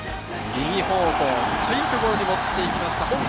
右方向、深いところに持って行きました。